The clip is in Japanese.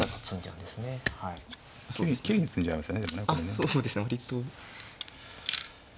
あっそうですね割と。